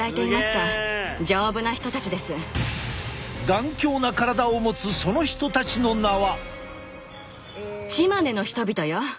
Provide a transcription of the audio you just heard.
頑強な体を持つその人たちの名は。